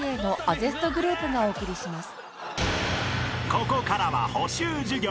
［ここからは補習授業］